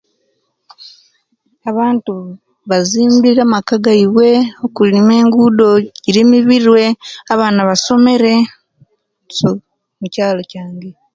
Abantu bazimbire amaka gaibwe okulima engudo jilimiwirwe abaana basomere so omukyalo kyange